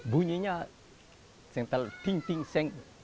bunyinya sentel ting ting seng